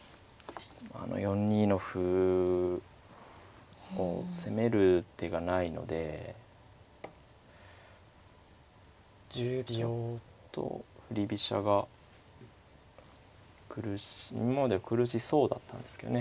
あの４二の歩を攻める手がないのでちょっと振り飛車が苦しい今までは苦しそうだったんですけどね